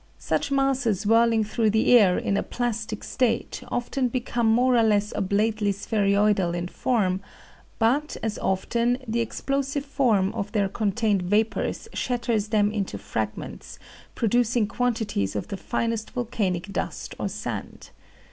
Such masses whirling through the air in a plastic state often become more or less oblately spheroidal in form; but, as often, the explosive force of their contained vapors shatters them into fragments, producing quantities of the finest volcanic dust or sand.